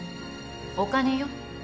お金よ。